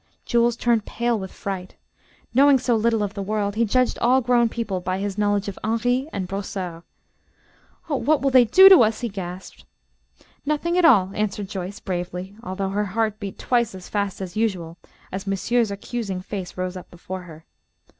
Jules turned pale with fright. Knowing so little of the world, he judged all grown people by his knowledge of Henri and Brossard. "Oh, what will they do to us?" he gasped. "Nothing at all," answered Joyce, bravely, although her heart beat twice as fast as usual as monsieur's accusing face rose up before her.